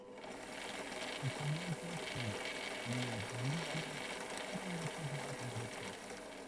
Sus comienzos en Liubliana fueron mucho más modestos.